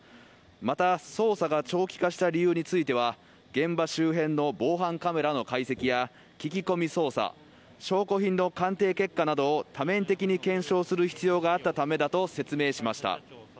また、捜査が長期化した理由については現場周辺の防犯カメラの解析や、聞き込み捜査、証拠品の鑑定結果などを多面的に検証する必要があったためだと説明しました。